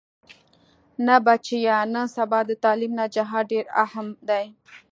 نه بچيه نن سبا د تعليم نه جهاد ډېر اهم دې.